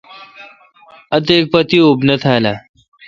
اتیک پہ تی اوپ نہ تھال اؘ۔